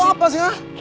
lo tuh apa sih ah